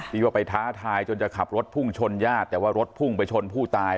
ที่ว่าไปท้าทายจนจะขับรถพุ่งชนญาติแต่ว่ารถพุ่งไปชนผู้ตาย